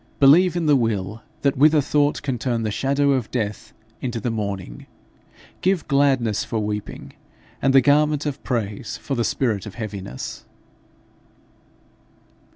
'Believe in the Will that with a thought can turn the shadow of death into the morning, give gladness for weeping, and the garment of praise for the spirit of heaviness.'